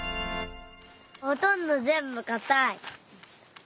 ほとんどぜんぶかたい。